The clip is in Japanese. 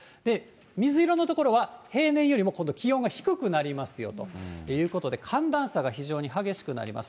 水色の所は、平年よりも今度気温が低くなりますよということで、寒暖差が非常に激しくなります。